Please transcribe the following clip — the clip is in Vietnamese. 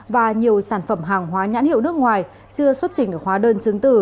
và nhiều sản phẩm hàng hóa nhãn hiệu nước ngoài chưa xuất trình ở khóa đơn chứng tử